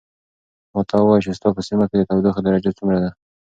ماته ووایه چې ستا په سیمه کې د تودوخې درجه څومره ده.